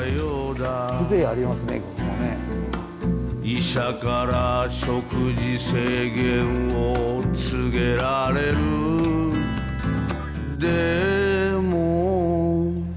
「医者から食事制限を告げられるでも」